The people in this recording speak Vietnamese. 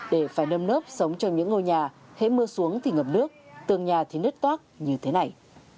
để phải nâm nớp sống trong những ngôi nhà hết mưa xuống thì ngập nước tường nhà thì nứt toác như thế này